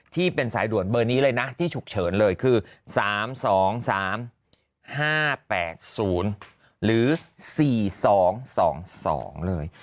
ที่เป็นสายด่วนเบอร์นี้เลยนะที่ฉุกเฉินเลยคือ๓๒๓๕๘๐หรือ๔๒๒เลย